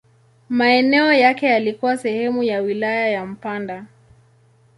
Maeneo yake yalikuwa sehemu ya wilaya ya Mpanda.